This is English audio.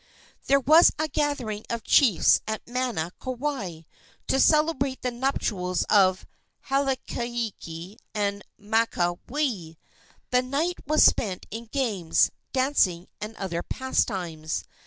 There was a gathering of chiefs at Mana, Kauai, to celebrate the nuptials of Hauailiki and Makaweli. The night was spent in games, dancing and other pastimes.